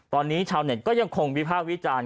ตอนนี้ชาวเน็ตก็ยังคงวิภาควิจารณ์